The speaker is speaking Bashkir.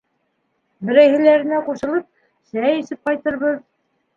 Берәйһеләренә ҡушылып, сәй эсеп ҡайтырбыҙ.